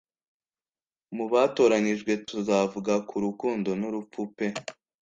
Mu batoranijwe; tuzavuga ku rukundo n'urupfu pe